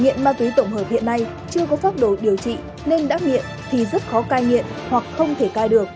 nhiện ma túy tổng hợp hiện nay chưa có pháp đồ điều trị nên đắc nhiện thì rất khó cai nhiện hoặc không thể cai được